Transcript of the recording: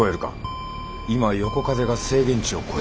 今横風が制限値を超えている。